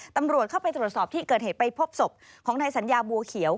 ตำรวจเข้าไปตรวจสอบที่เกิดเหตุไปพบศพของนายสัญญาบัวเขียว